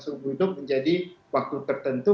suhu hidup menjadi waktu tertentu